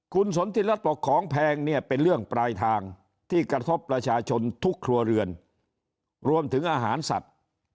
คุณสนทิรัฐบอกของแพงเนี่ยเป็นเรื่องปลายทางที่กระทบประชาชนทุกครัวเรือนรวมถึงอาหารสัตว์